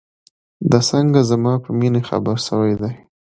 دى څنگه زما په مينې خبر سوى دى.